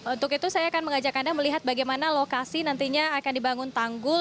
untuk itu saya akan mengajak anda melihat bagaimana lokasi nantinya akan dibangun tanggul